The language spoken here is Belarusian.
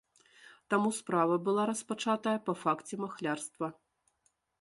Таму справа была распачатая па факце махлярства.